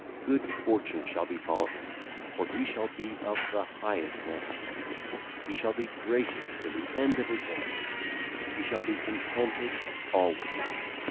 Good fortune shall befall him, for he shall be of the highest rank. He shall be gracious to the end of his life; he shall be contented always.